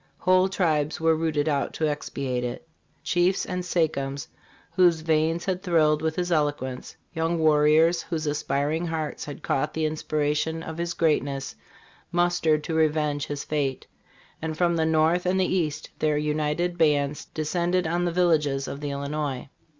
Whole tribes were rooted out to expiate it. Chiefs and sa chems, whose veins had thrilled with his eloquence ; young warriors, whose aspiring hearts had caught the inspiration of his greatness, mustered to re venge his fate ; and from the north and the east, their united bands descend ed on the villages of the Illinois.